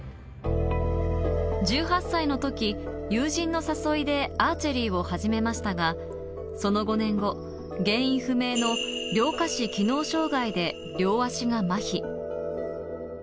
１８歳の時、友人の誘いでアーチェリーを始めましたが、その５年後、原因不明の両下肢機能障害で両脚がまひ。